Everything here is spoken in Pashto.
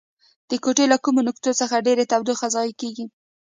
د کوټې له کومو نقطو څخه ډیره تودوخه ضایع کیږي؟